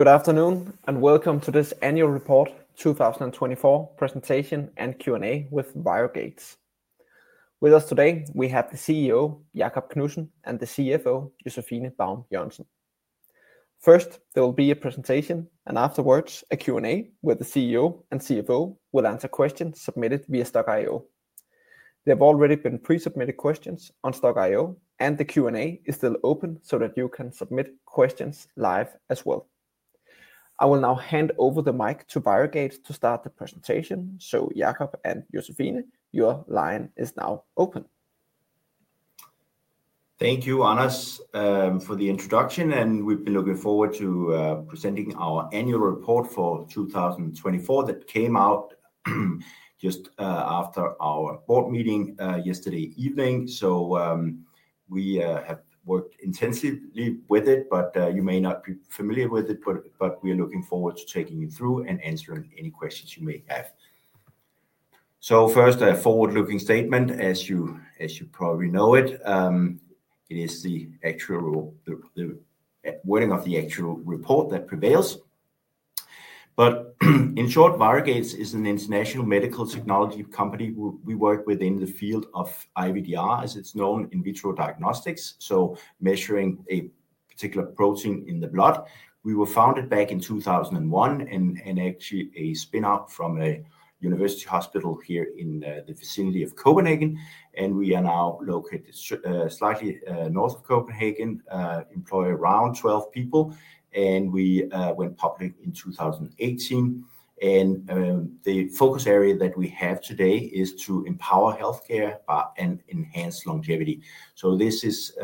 Good afternoon, and welcome to this annual report 2024 presentation and Q&A with ViroGates. With us today, we have the CEO, Jakob Knudsen, and the CFO, Josephine Baum Jørgensen. First, there will be a presentation, and afterwards, a Q&A with the CEO and CFO who will answer questions submitted via Stokk.io. There have already been pre-submitted questions on Stokk.io, and the Q&A is still open so that you can submit questions live as well. I will now hand over the mic to ViroGates to start the presentation. Jakob and Josephine, your line is now open. Thank you, Anas, for the introduction, and we have been looking forward to presenting our annual report for 2024 that came out just after our board meeting yesterday evening. We have worked intensively with it, but you may not be familiar with it, but we are looking forward to taking you through and answering any questions you may have. First, a forward-looking statement, as you probably know it. It is the actual wording of the actual report that prevails. In short, ViroGates is an international medical technology company. We work within the field of IVDR, as it is known, in vitro diagnostics, so measuring a particular protein in the blood. We were founded back in 2001 and actually a spin-off from a university hospital here in the vicinity of Copenhagen. We are now located slightly North of Copenhagen, employ around 12 people, and we went public in 2018. The focus area that we have today is to empower healthcare and enhance longevity. This is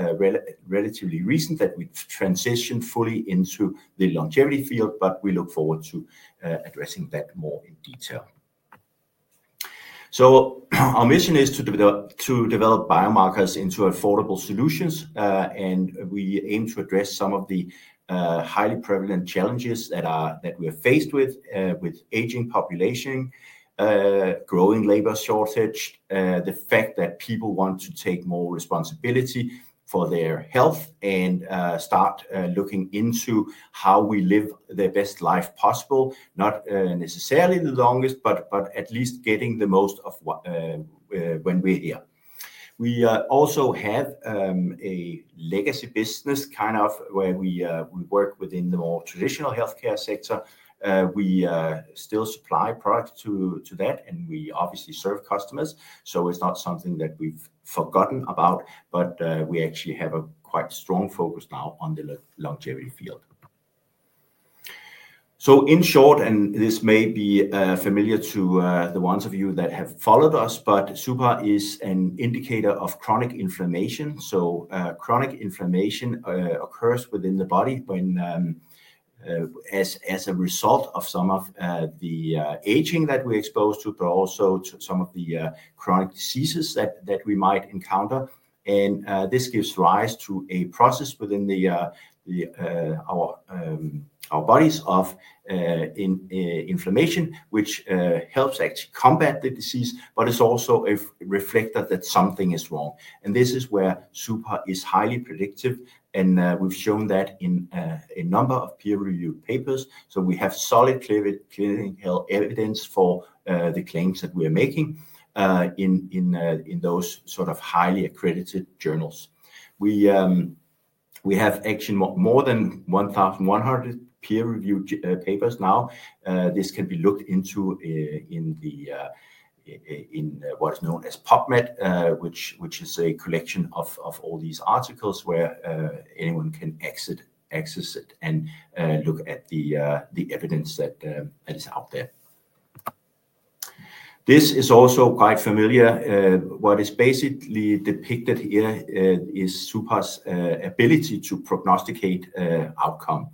relatively recent that we've transitioned fully into the longevity field, but we look forward to addressing that more in detail. Our mission is to develop biomarkers into affordable solutions, and we aim to address some of the highly prevalent challenges that we are faced with, with aging population, growing labor shortage, the fact that people want to take more responsibility for their health, and start looking into how we live the best life possible, not necessarily the longest, but at least getting the most of when we're here. We also have a legacy business kind of where we work within the more traditional healthcare sector. We still supply products to that, and we obviously serve customers. It is not something that we've forgotten about, but we actually have a quite strong focus now on the longevity field. In short, and this may be familiar to the ones of you that have followed us, but suPAR is an indicator of chronic inflammation. Chronic inflammation occurs within the body as a result of some of the aging that we're exposed to, but also to some of the chronic diseases that we might encounter. This gives rise to a process within our bodies of inflammation, which helps actually combat the disease, but it's also a reflector that something is wrong. This is where suPAR is highly predictive, and we've shown that in a number of peer-reviewed papers. We have solid clinical evidence for the claims that we are making in those sort of highly accredited journals. We have actually more than 1,100 peer-reviewed papers now. This can be looked into in what's known as PubMed, which is a collection of all these articles where anyone can access it and look at the evidence that is out there. This is also quite familiar. What is basically depicted here is suPAR's ability to prognosticate outcome.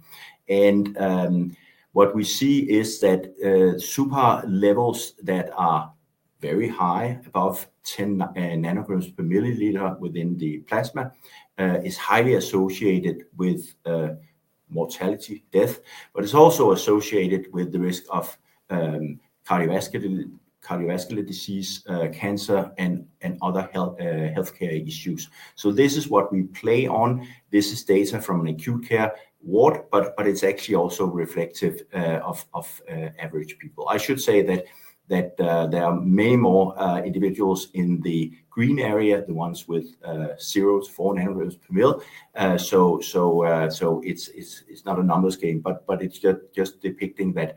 What we see is that suPAR levels that are very high, above 10 nanograms per milliliter within the plasma, is highly associated with mortality, death, but it's also associated with the risk of cardiovascular disease, cancer, and other healthcare issues. This is what we play on. This is data from an acute care ward, but it's actually also reflective of average people. I should say that there are many more individuals in the green area, the ones with zero to four nanograms per milliliter. It is not a numbers game, but it is just depicting that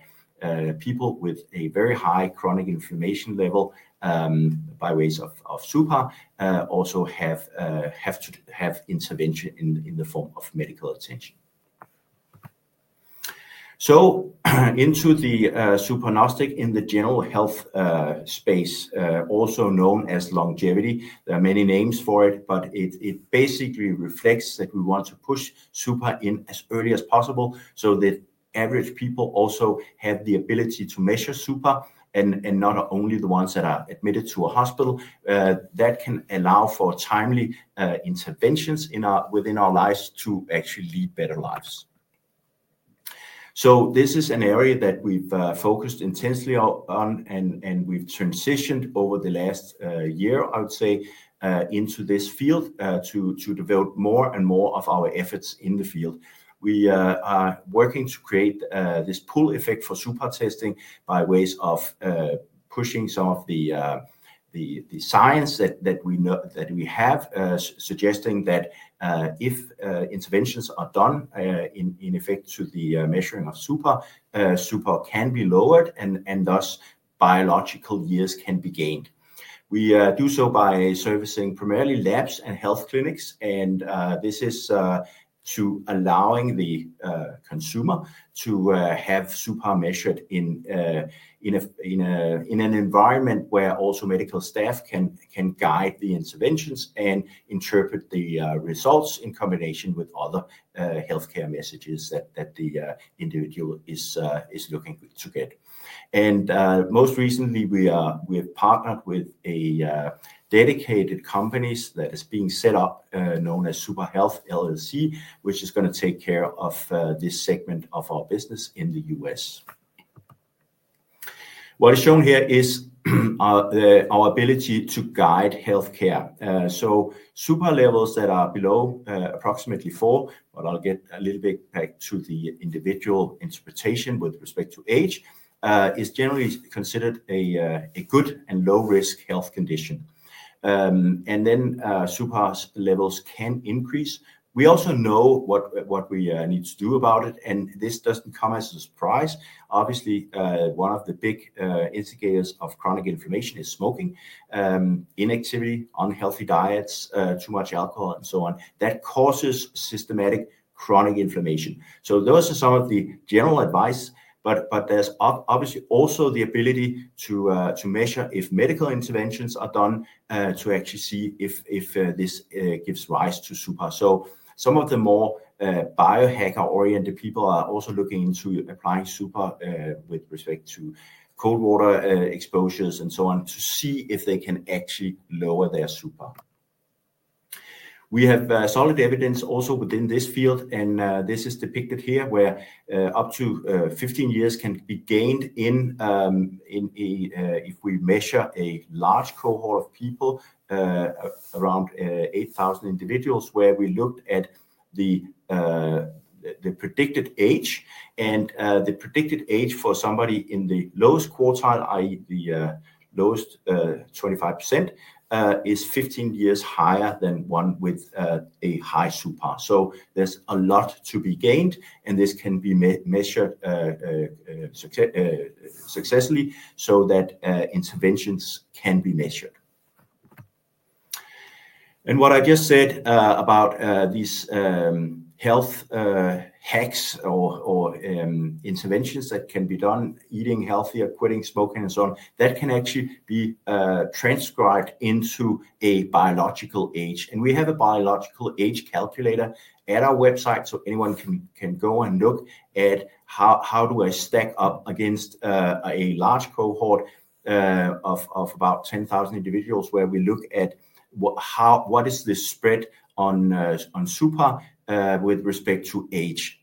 people with a very high chronic inflammation level by ways of suPAR also have to have intervention in the form of medical attention. Into the suPAR diagnostic in the general health space, also known as longevity, there are many names for it, but it basically reflects that we want to push suPAR in as early as possible so that average people also have the ability to measure suPAR, and not only the ones that are admitted to a hospital. That can allow for timely interventions within our lives to actually lead better lives. This is an area that we have focused intensely on, and we have transitioned over the last year, I would say, into this field to develop more and more of our efforts in the field. We are working to create this pull effect for suPAR testing by ways of pushing some of the science that we have, suggesting that if interventions are done in effect to the measuring of suPAR, suPAR can be lowered and thus biological years can be gained. We do so by servicing primarily labs and health clinics, and this is to allow the consumer to have suPAR measured in an environment where also medical staff can guide the interventions and interpret the results in combination with other healthcare messages that the individual is looking to get. Most recently, we have partnered with a dedicated company that is being set up known as suPAR Health LLC, which is going to take care of this segment of our business in the U.S. What is shown here is our ability to guide healthcare. suPAR levels that are below approximately four, but I'll get a little bit back to the individual interpretation with respect to age, is generally considered a good and low-risk health condition. suPAR levels can increase. We also know what we need to do about it, and this doesn't come as a surprise. Obviously, one of the big indicators of chronic inflammation is smoking, inactivity, unhealthy diets, too much alcohol, and so on. That causes systematic chronic inflammation. Those are some of the general advice, but there's obviously also the ability to measure if medical interventions are done to actually see if this gives rise to suPAR. Some of the more biohacker-oriented people are also looking into applying suPAR with respect to cold water exposures and so on to see if they can actually lower their suPAR. We have solid evidence also within this field, and this is depicted here where up to 15 years can be gained in if we measure a large cohort of people, around 8,000 individuals, where we looked at the predicted age, and the predicted age for somebody in the lowest quartile, i.e., the lowest 25%, is 15 years higher than one with a high suPAR. There is a lot to be gained, and this can be measured successfully so that interventions can be measured. What I just said about these health hacks or interventions that can be done, eating healthier, quitting smoking, and so on, that can actually be transcribed into a biological age. We have a biological age calculator at our website, so anyone can go and look at how do I stack up against a large cohort of about 10,000 individuals where we look at what is the spread on suPAR with respect to age.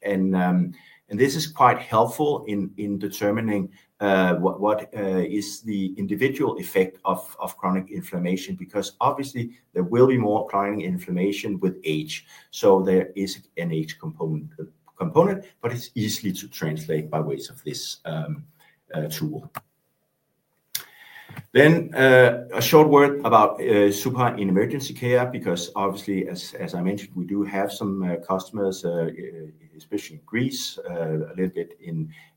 This is quite helpful in determining what is the individual effect of chronic inflammation because obviously there will be more chronic inflammation with age. There is an age component, but it is easy to translate by ways of this tool. A short word about suPAR in emergency care because obviously, as I mentioned, we do have some customers, especially in Greece, a little bit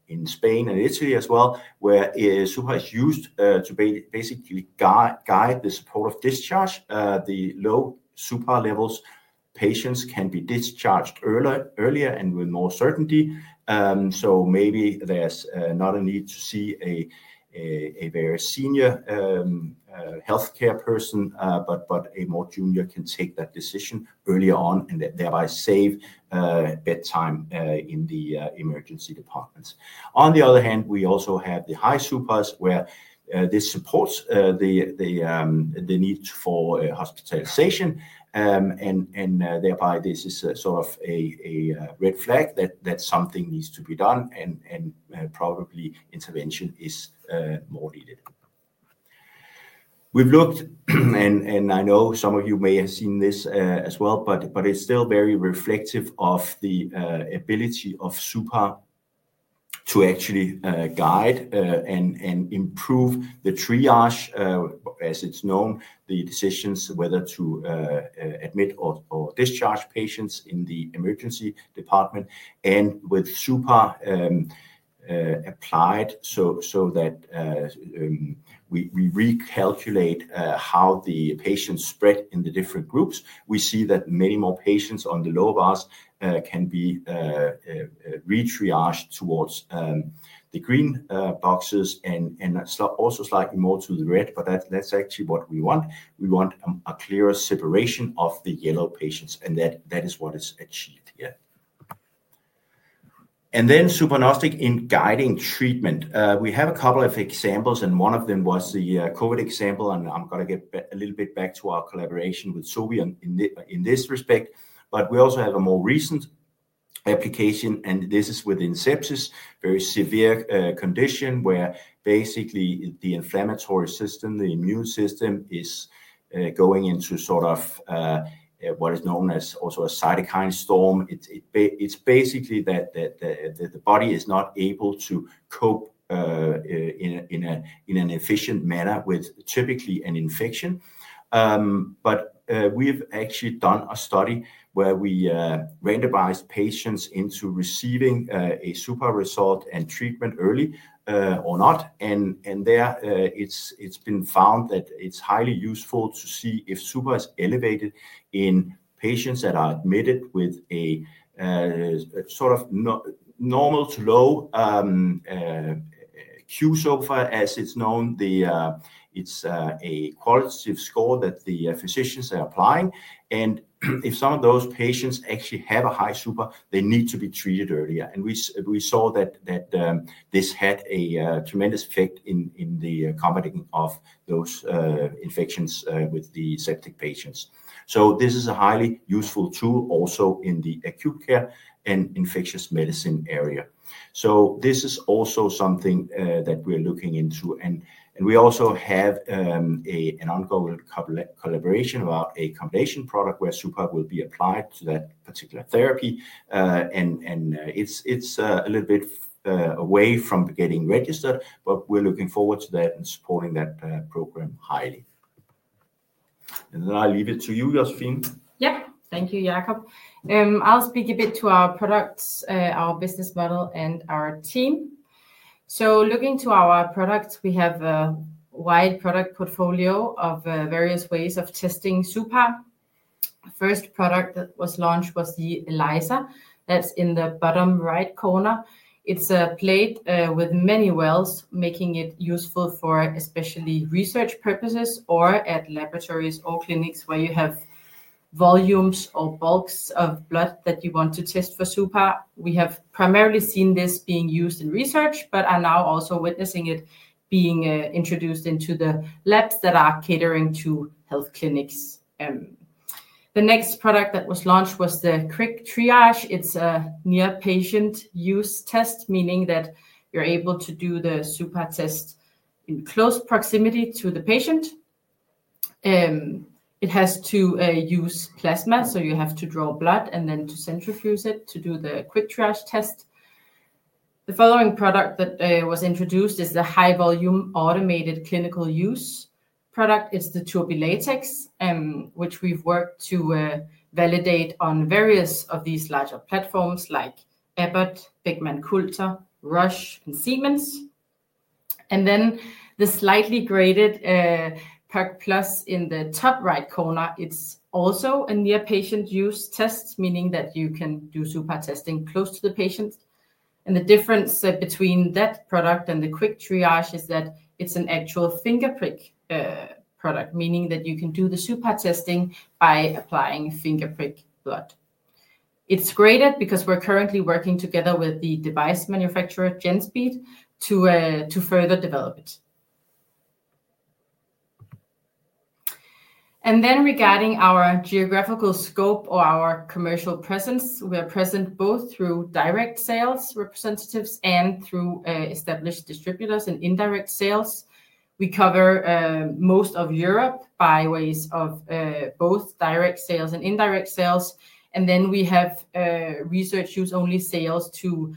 in Spain and Italy as well, where suPAR is used to basically guide the support of discharge. The low suPAR levels, patients can be discharged earlier and with more certainty. Maybe there's not a need to see a very senior healthcare person, but a more junior can take that decision earlier on and thereby save bed time in the emergency departments. On the other hand, we also have the high suPARs where this supports the need for hospitalization, and thereby this is sort of a red flag that something needs to be done and probably intervention is more needed. We've looked, and I know some of you may have seen this as well, but it's still very reflective of the ability of suPAR to actually guide and improve the triage, as it's known, the decisions whether to admit or discharge patients in the emergency department. With suPAR applied, so that we recalculate how the patients spread in the different groups, we see that many more patients on the lower bars can be retriaged towards the green boxes and also slightly more to the red, but that's actually what we want. We want a clearer separation of the yellow patients, and that is what is achieved here. Then suPAR is diagnostic in guiding treatment. We have a couple of examples, and one of them was the COVID example, and I'm going to get a little bit back to our collaboration with Sobi in this respect. We also have a more recent application, and this is within sepsis, very severe condition where basically the inflammatory system, the immune system is going into sort of what is known as also a cytokine storm. It's basically that the body is not able to cope in an efficient manner with typically an infection. We've actually done a study where we randomized patients into receiving a suPAR result and treatment early or not. There it's been found that it's highly useful to see if suPAR is elevated in patients that are admitted with a sort of normal to low qSOFA, as it's known. It's a qualitative score that the physicians are applying. If some of those patients actually have a high suPAR, they need to be treated earlier. We saw that this had a tremendous effect in the accommodating of those infections with the septic patients. This is a highly useful tool also in the acute care and infectious medicine area. This is also something that we're looking into. We also have an ongoing collaboration about a combination product where suPAR will be applied to that particular therapy. It is a little bit away from getting registered, but we are looking forward to that and supporting that program highly. I will leave it to you, Josephine. Yep. Thank you, Jakob. I will speak a bit to our products, our business model, and our team. Looking to our products, we have a wide product portfolio of various ways of testing suPAR. The first product that was launched was the ELISA that is in the bottom right corner. It is a plate with many wells, making it useful for especially research purposes or at laboratories or clinics where you have volumes or bulks of blood that you want to test for suPAR. We have primarily seen this being used in research, but are now also witnessing it being introduced into the labs that are catering to health clinics. The next product that was launched was the Quick Triage. It's a near-patient use test, meaning that you're able to do the suPAR test in close proximity to the patient. It has to use plasma, so you have to draw blood and then to centrifuge it to do the Quick Triage test. The following product that was introduced is the high-volume automated clinical use product. It's the TurbiLatex, which we've worked to validate on various of these larger platforms like Abbott, Beckman Coulter, Roche, and Siemens. The slightly graded POC+ in the top right corner, it's also a near-patient use test, meaning that you can do suPAR testing close to the patient. The difference between that product and the quick triage is that it's an actual fingerprick product, meaning that you can do the suPAR testing by applying fingerprick blood. It's great because we're currently working together with the device manufacturer GENSPEED to further develop it. Regarding our geographical scope or our commercial presence, we are present both through direct sales representatives and through established distributors and indirect sales. We cover most of Europe by ways of both direct sales and indirect sales. We have research use-only sales to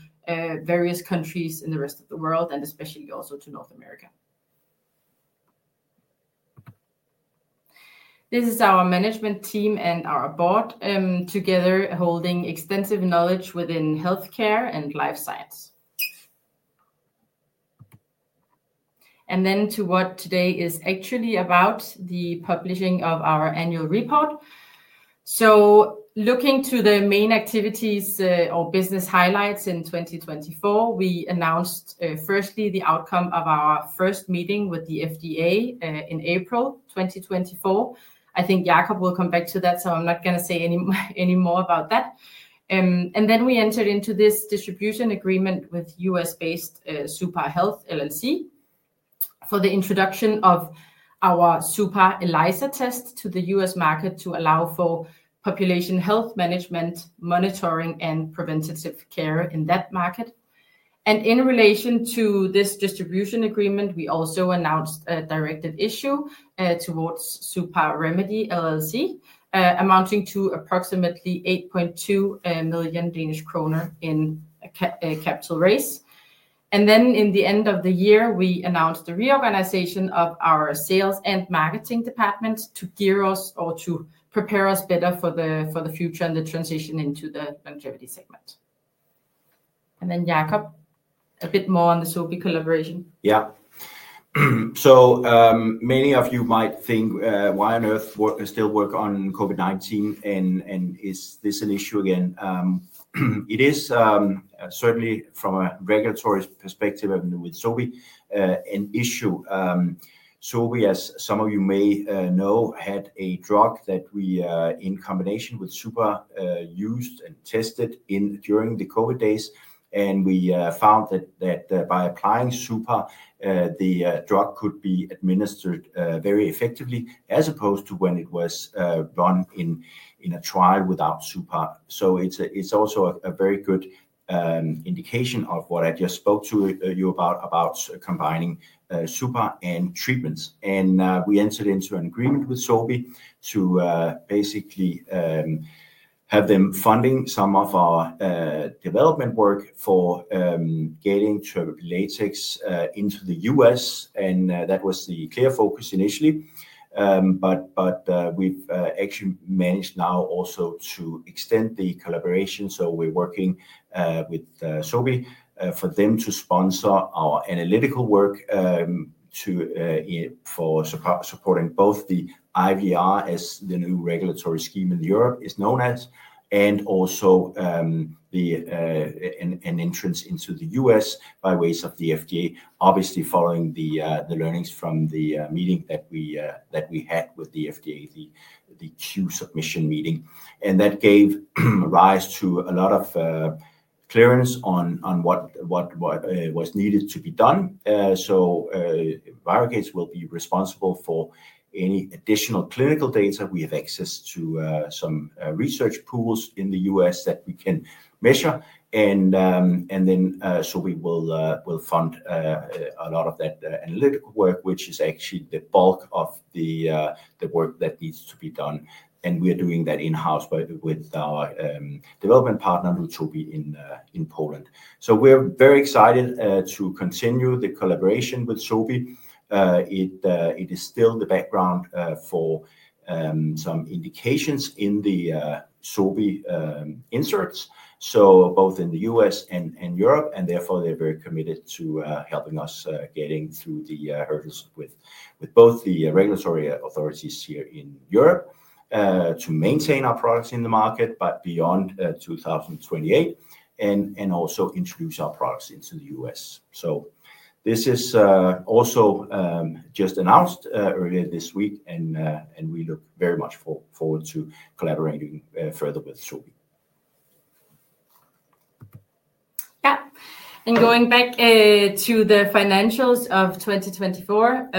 various countries in the rest of the world, and especially also to North America. This is our management team and our Board together holding extensive knowledge within healthcare and life science. To what today is actually about, the publishing of our annual report. Looking to the main activities or business highlights in 2024, we announced firstly the outcome of our first meeting with the FDA in April 2024. I think Jakob will come back to that, so I'm not going to say any more about that. Then we entered into this distribution agreement with US-based suPAR Health LLC for the introduction of our suPAR ELISA test to the US market to allow for population health management, monitoring, and preventative care in that market. In relation to this distribution agreement, we also announced a directed issue towards suPAR Remedy LLC amounting to approximately 8.2 million Danish kroner in capital raise. In the end of the year, we announced the reorganization of our sales and marketing department to gear us or to prepare us better for the future and the transition into the longevity segment. Jakob, a bit more on the Sobi collaboration. Yeah. Many of you might think, why on earth still work on COVID-19? Is this an issue again? It is, certainly from a regulatory perspective with Sobi, an issue. Sobi, as some of you may know, had a drug that we, in combination with suPAR, used and tested during the COVID days. We found that by applying suPAR, the drug could be administered very effectively as opposed to when it was done in a trial without suPAR. It is also a very good indication of what I just spoke to you about, combining suPAR and treatments. We entered into an agreement with Sobi to basically have them funding some of our development work for getting TurbiLatex into the U.S. That was the clear focus initially. We've actually managed now also to extend the collaboration. We're working with Sobi for them to sponsor our analytical work for supporting both the IVDR, as the new regulatory scheme in Europe is known as, and also an entrance into the U.S. by ways of the FDA, obviously following the learnings from the meeting that we had with the FDA, the Q submission meeting. That gave rise to a lot of clearance on what was needed to be done. ViroGates will be responsible for any additional clinical data. We have access to some research pools in the U.S. that we can measure. Sobi will fund a lot of that analytical work, which is actually the bulk of the work that needs to be done. We are doing that in-house with our development partner, Sobi, in Poland. We are very excited to continue the collaboration with Sobi. It is still the background for some indications in the Sobi inserts, both in the U.S. and Europe. Therefore, they are very committed to helping us get through the hurdles with both the regulatory authorities here in Europe to maintain our products in the market beyond 2028, and also introduce our products into the U.S. This was also just announced earlier this week, and we look very much forward to collaborating further with Sobi. Yeah. Going back to the financials of 2024,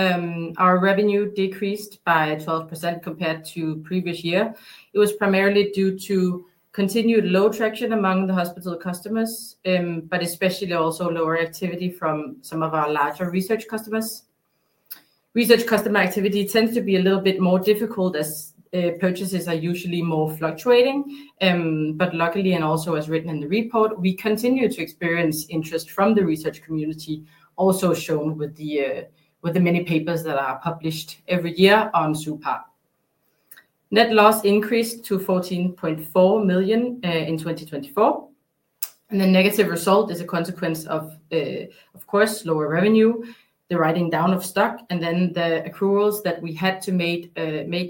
our revenue decreased by 12% compared to the previous year. It was primarily due to continued low traction among the hospital customers, but especially also lower activity from some of our larger research customers. Research customer activity tends to be a little bit more difficult as purchases are usually more fluctuating. Luckily, and also as written in the report, we continue to experience interest from the research community, also shown with the many papers that are published every year on suPAR. Net loss increased to 14.4 million in 2024. The negative result is a consequence of, of course, lower revenue, the writing down of stock, and then the accruals that we had to make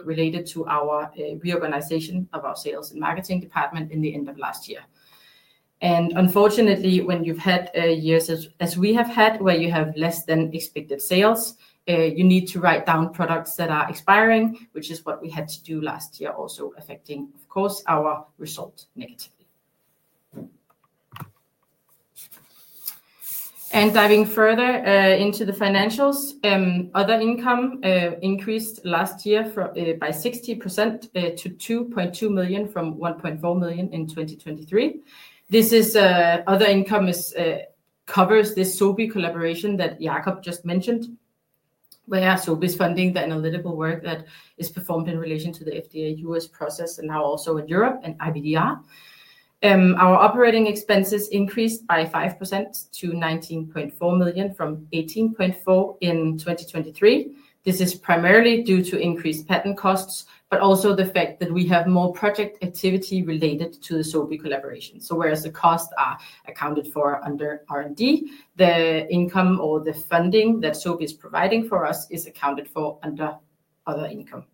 related to our reorganization of our sales and marketing department in the end of last year. Unfortunately, when you've had years as we have had where you have less than expected sales, you need to write down products that are expiring, which is what we had to do last year, also affecting, of course, our result negatively. Diving further into the financials, other income increased last year by 60% to 2.2 million from 1.4 million in 2023. This other income covers this Sobi collaboration that Jakob just mentioned, where Sobi is funding the analytical work that is performed in relation to the FDA U.S. process and now also in Europe and IVDR. Our operating expenses increased by 5% to 19.4 million from 18.4 million in 2023. This is primarily due to increased patent costs, but also the fact that we have more project activity related to the Sobi collaboration. Whereas the costs are accounted for under R&D, the income or the funding that Sobi is providing for us is accounted for under other income.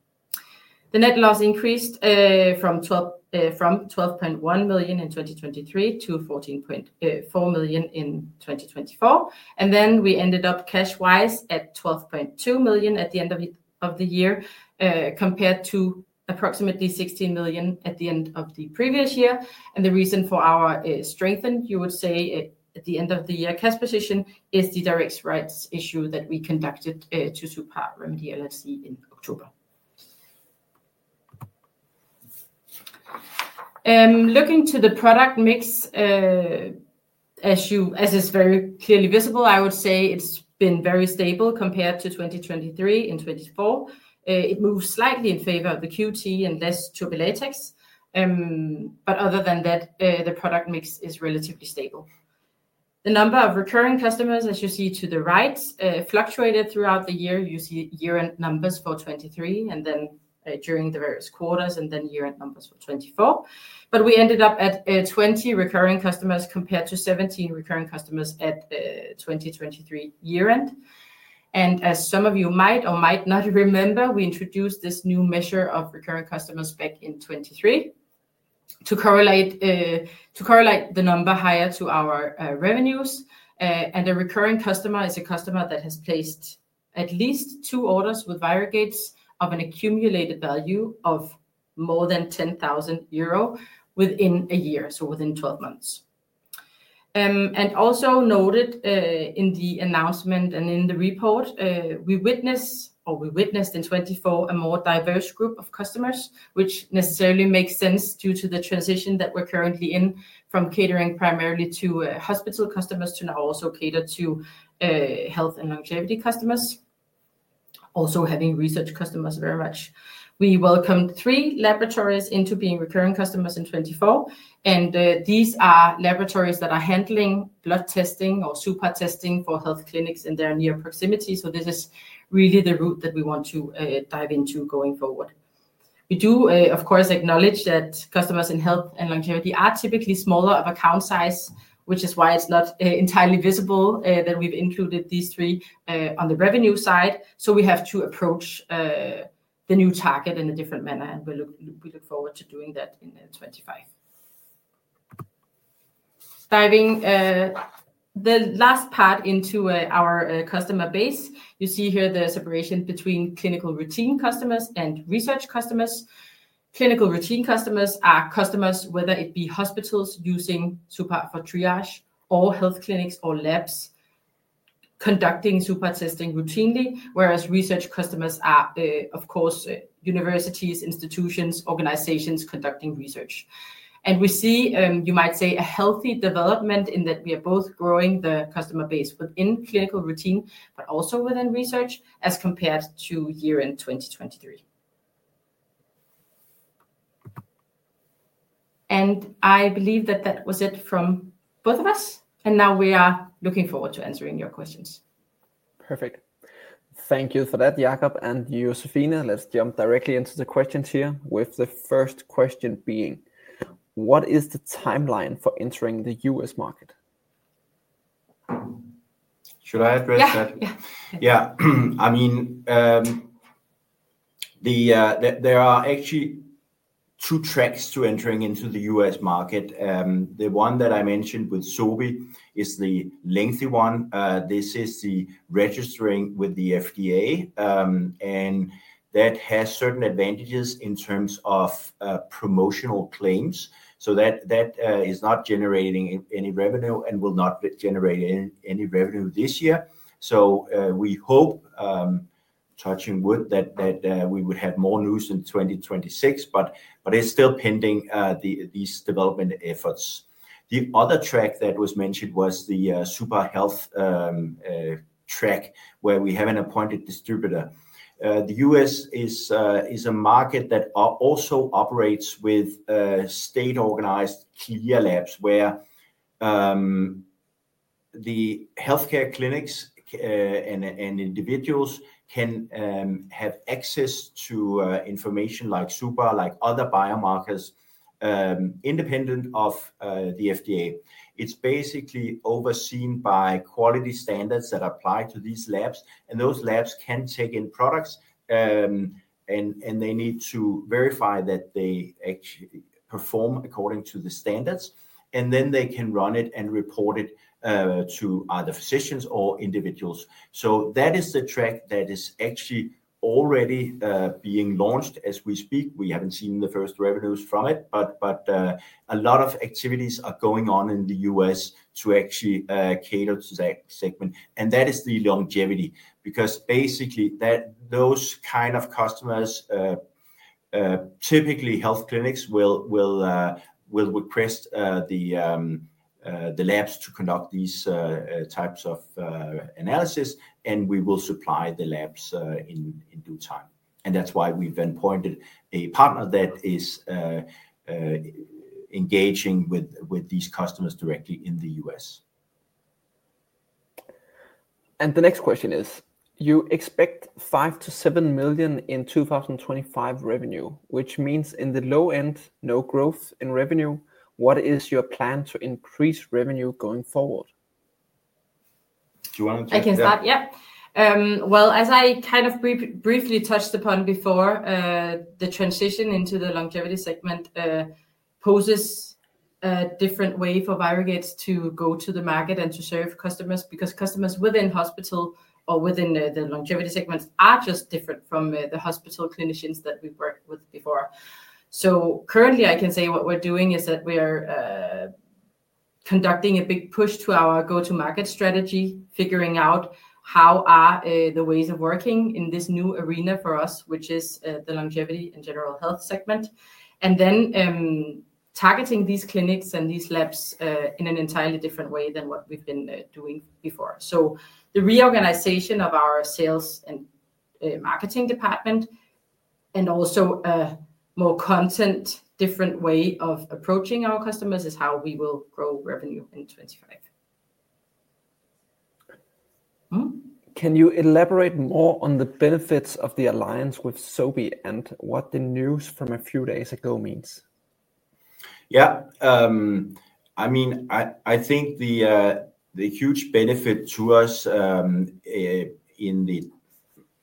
The net loss increased from 12.1 million in 2023 to 14.4 million in 2024. We ended up cash-wise at 12.2 million at the end of the year, compared to approximately 16 million at the end of the previous year. The reason for our strengthened, you would say, at the end of the year cash position is the direct rights issue that we conducted to suPAR Remedy LLC in October. Looking to the product mix, as is very clearly visible, I would say it's been very stable compared to 2023 and 2024. It moved slightly in favor of the QT and less TurbiLatex. Other than that, the product mix is relatively stable. The number of recurring customers, as you see to the right, fluctuated throughout the year. You see year-end numbers for 2023, and then during the various quarters, and then year-end numbers for 2024. We ended up at 20 recurring customers compared to 17 recurring customers at 2023 year-end. As some of you might or might not remember, we introduced this new measure of recurring customers back in 2023 to correlate the number higher to our revenues. A recurring customer is a customer that has placed at least two orders with ViroGates of an accumulated value of more than 10,000 euro within a year, so within 12 months. Also noted in the announcement and in the report, we witnessed in 2024 a more diverse group of customers, which necessarily makes sense due to the transition that we are currently in from catering primarily to hospital customers to now also cater to health and longevity customers, also having research customers very much. We welcomed three laboratories into being recurring customers in 2024. These are laboratories that are handling blood testing or suPAR testing for health clinics in their near proximity. This is really the route that we want to dive into going forward. We do, of course, acknowledge that customers in health and longevity are typically smaller of account size, which is why it's not entirely visible that we've included these three on the revenue side. We have to approach the new target in a different manner, and we look forward to doing that in 2025. Diving the last part into our customer base, you see here the separation between clinical routine customers and research customers. Clinical routine customers are customers, whether it be hospitals using suPAR for triage or health clinics or labs conducting suPAR testing routinely, whereas research customers are, of course, universities, institutions, organizations conducting research. We see, you might say, a healthy development in that we are both growing the customer base within clinical routine, but also within research as compared to year-end 2023. I believe that that was it from both of us. Now we are looking forward to answering your questions. Perfect. Thank you for that, Jakob. And you, Josephine, let's jump directly into the questions here with the first question being, what is the timeline for entering the US market? Should I address that? Yeah. Yeah. I mean, there are actually two tracks to entering into the US market. The one that I mentioned with Sobi is the lengthy one. This is the registering with the FDA, and that has certain advantages in terms of promotional claims. That is not generating any revenue and will not generate any revenue this year. We hope, touching wood, that we would have more news in 2026, but it's still pending these development efforts. The other track that was mentioned was the suPAR Health track where we have an appointed distributor. The U.S. is a market that also operates with state-organized CLIA labs where the healthcare clinics and individuals can have access to information like suPAR, like other biomarkers, independent of the FDA. It's basically overseen by quality standards that apply to these labs. Those labs can take in products, and they need to verify that they actually perform according to the standards. They can run it and report it to either physicians or individuals. That is the track that is actually already being launched as we speak. We haven't seen the first revenues from it, but a lot of activities are going on in the U.S. to actually cater to that segment. That is the longevity because basically those kind of customers, typically health clinics, will request the labs to conduct these types of analysis, and we will supply the labs in due time. That is why we've then pointed a partner that is engaging with these customers directly in the U.S. The next question is, you expect 5 million- 7 million in 2025 revenue, which means in the low end, no growth in revenue. What is your plan to increase revenue going forward? Do you want to jump in? I can start. Yeah. As I kind of briefly touched upon before, the transition into the longevity segment poses a different way for ViroGates to go to the market and to serve customers because customers within hospital or within the longevity segments are just different from the hospital clinicians that we've worked with before. Currently, I can say what we're doing is that we are conducting a big push to our go-to-market strategy, figuring out how are the ways of working in this new arena for us, which is the longevity and general health segment, and then targeting these clinics and these labs in an entirely different way than what we've been doing before. The reorganization of our sales and marketing department and also a more content-different way of approaching our customers is how we will grow revenue in 2025. Can you elaborate more on the benefits of the alliance with Sobi and what the news from a few days ago means? Yeah. I mean, I think the huge benefit to us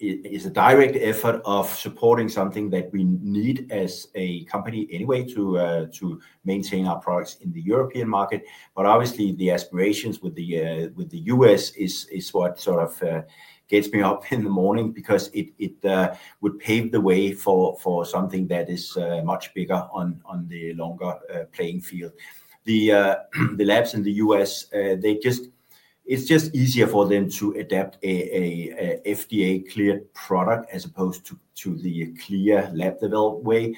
is a direct effort of supporting something that we need as a company anyway to maintain our products in the European market. Obviously, the aspirations with the U.S. is what sort of gets me up in the morning because it would pave the way for something that is much bigger on the longer playing field. The labs in the U.S., it's just easier for them to adapt an FDA-cleared product as opposed to the CLIA lab developed way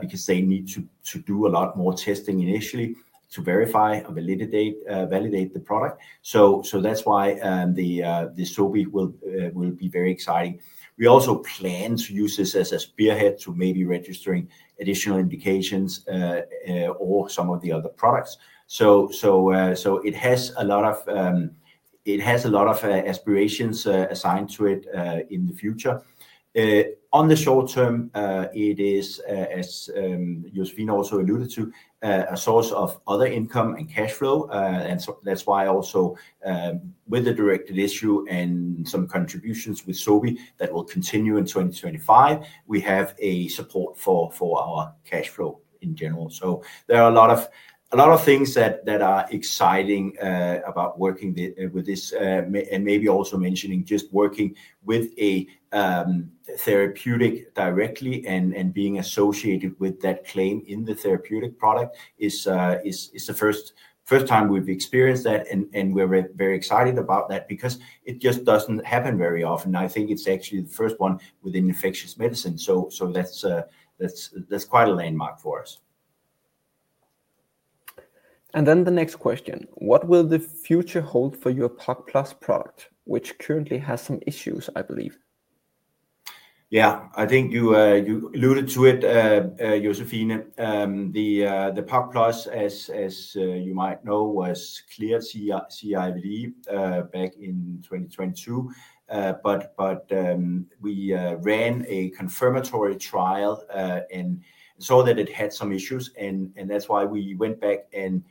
because they need to do a lot more testing initially to verify or validate the product. That is why the Sobi will be very exciting. We also plan to use this as a spearhead to maybe registering additional indications or some of the other products. It has a lot of aspirations assigned to it in the future. In the short term, it is, as Josephine also alluded to, a source of other income and cash flow. That is why also with the directed issue and some contributions with Sobi that will continue in 2025, we have a support for our cash flow in general. There are a lot of things that are exciting about working with this and maybe also mentioning just working with a therapeutic directly and being associated with that claim in the therapeutic product is the first time we've experienced that. We are very excited about that because it just doesn't happen very often. I think it's actually the first one within infectious medicine. That's quite a landmark for us. The next question, what will the future hold for your POC+ product, which currently has some issues, I believe? Yeah, I think you alluded to it, Josephine. The POC+, as you might know, was cleared IVDR back in 2022. We ran a confirmatory trial and saw that it had some issues. That's why we went back and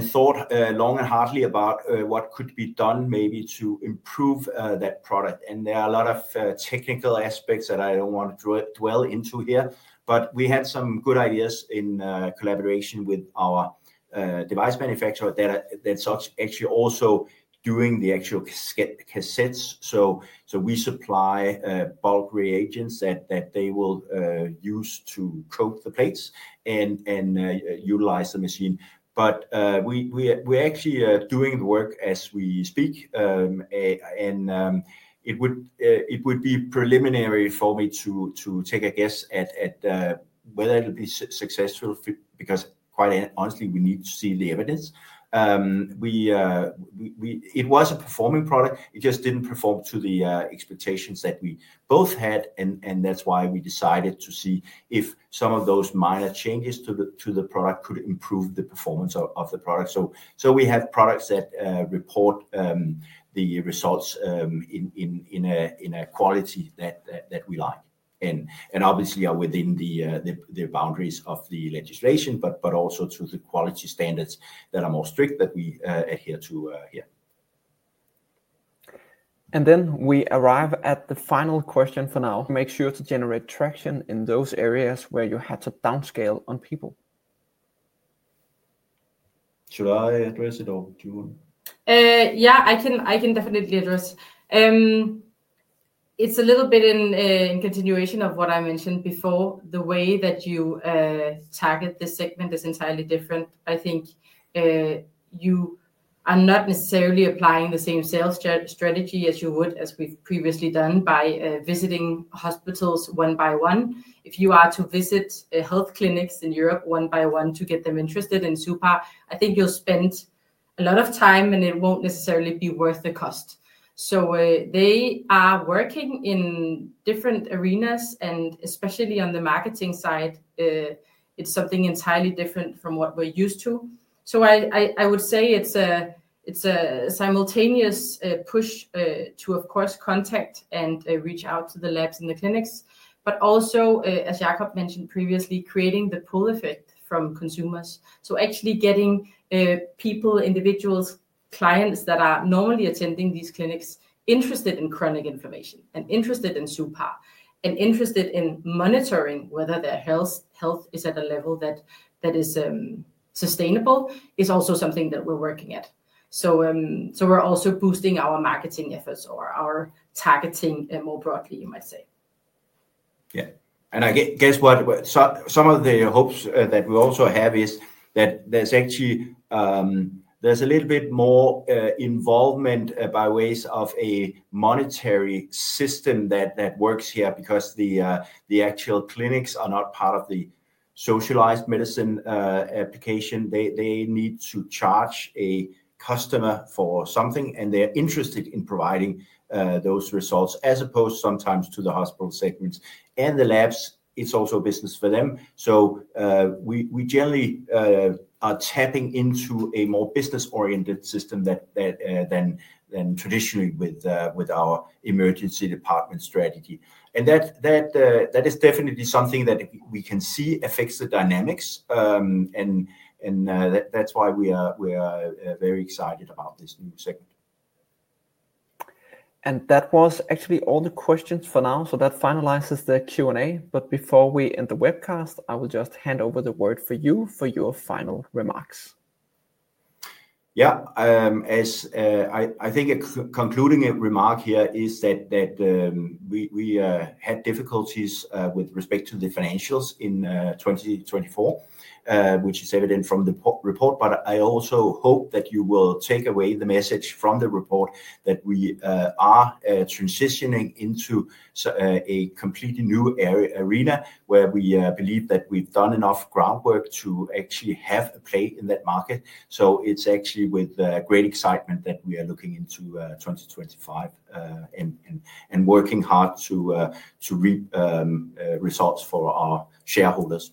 thought long and hard about what could be done maybe to improve that product. There are a lot of technical aspects that I don't want to dwell into here. We had some good ideas in collaboration with our device manufacturer that's actually also doing the actual cassettes. We supply bulk reagents that they will use to coat the plates and utilize the machine. We're actually doing the work as we speak. It would be preliminary for me to take a guess at whether it'll be successful because, quite honestly, we need to see the evidence. It was a performing product. It just didn't perform to the expectations that we both had. That is why we decided to see if some of those minor changes to the product could improve the performance of the product. We have products that report the results in a quality that we like and, obviously, are within the boundaries of the legislation, but also to the quality standards that are more strict that we adhere to here. We arrive at the final question for now. Make sure to generate traction in those areas where you had to downscale on people. Should I address it or do you want? Yeah, I can definitely address. It's a little bit in continuation of what I mentioned before. The way that you target this segment is entirely different. I think you are not necessarily applying the same sales strategy as you would, as we've previously done, by visiting hospitals one by one. If you are to visit health clinics in Europe one by one to get them interested in suPAR, I think you'll spend a lot of time, and it won't necessarily be worth the cost. They are working in different arenas, and especially on the marketing side, it's something entirely different from what we're used to. I would say it's a simultaneous push to, of course, contact and reach out to the labs and the clinics, but also, as Jakob mentioned previously, creating the pull effect from consumers. Actually getting people, individuals, clients that are normally attending these clinics interested in chronic inflammation and interested in suPAR and interested in monitoring whether their health is at a level that is sustainable is also something that we're working at. We're also boosting our marketing efforts or our targeting more broadly, you might say. Yeah. I guess some of the hopes that we also have is that there's actually a little bit more involvement by ways of a monetary system that works here because the actual clinics are not part of the socialized medicine application. They need to charge a customer for something, and they're interested in providing those results as opposed sometimes to the hospital segments. The labs, it's also a business for them. We generally are tapping into a more business-oriented system than traditionally with our emergency department strategy. That is definitely something that we can see affects the dynamics. That is why we are very excited about this new segment. That was actually all the questions for now. That finalizes the Q&A. Before we end the webcast, I will just hand over the word for you for your final remarks. Yeah. I think concluding a remark here is that we had difficulties with respect to the financials in 2024, which is evident from the report. I also hope that you will take away the message from the report that we are transitioning into a completely new arena where we believe that we have done enough groundwork to actually have a play in that market. It is actually with great excitement that we are looking into 2025 and working hard to reap results for our shareholders.